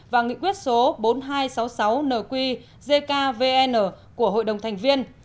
và nghị quyết số bốn nghìn hai trăm sáu mươi sáu nqvn của hội đồng thành viên